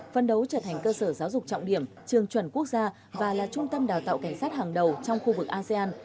phân đấu trở thành cơ sở giáo dục trọng điểm trường chuẩn quốc gia và là trung tâm đào tạo cảnh sát hàng đầu trong khu vực asean